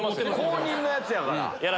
公認のやつやから。